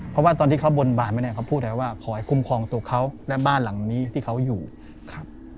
เพราะว่าตอนที่เขาบนบานไปเนี่ยเขาพูดแล้วว่าขอให้คุ้มครองตัวเขาและบ้านหลังนี้ที่เขาอยู่ครับ